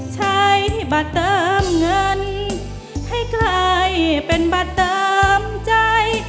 ใช้บัตรเติมเงินให้กลายเป็นบัตรเติมใจ